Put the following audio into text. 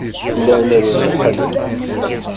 Llan rebbḥen.